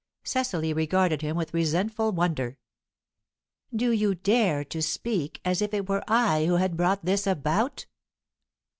Cecily regarded him with resentful wonder. "Do you dare to speak as if it were I who had brought this about?"